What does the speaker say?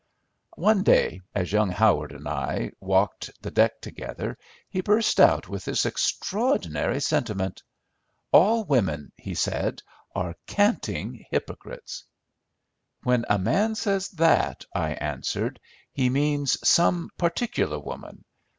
One day, as young Howard and I walked the deck together, he burst out with this extraordinary sentiment— "All women," he said, "are canting hypocrites." "When a man says that," I answered, "he means some particular woman.